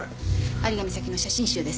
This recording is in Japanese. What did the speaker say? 有賀美咲の写真集です。